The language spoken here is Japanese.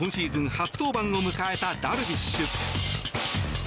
初登板を迎えたダルビッシュ。